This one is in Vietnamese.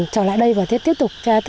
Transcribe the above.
trở lại đây và tiếp tục